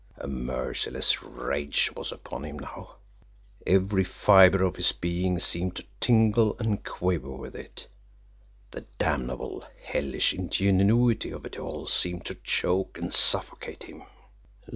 A merciless rage was upon him now, every fiber of his being seemed to tingle and quiver with it the damnable, hellish ingenuity of it all seemed to choke and suffocate him.